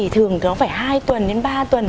thường nó phải hai tuần đến ba tuần